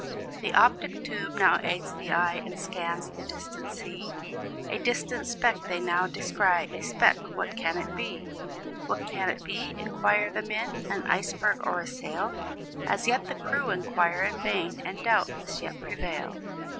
The optic tube now aids the eye, And scans the distant sea: A distant speck they now descry; A speck what can it be? "What can it be?" inquire the men "An iceberg, or a sail?" As yet the crew inquire in vain, And doubt must yet prevail.